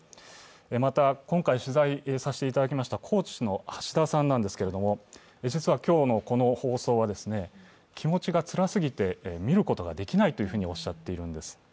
また、今回、取材させていただきました高知の橋田さんなんですが、実は今日のこの放送は気持がつらすぎて見ることができないとおっしゃっているんです。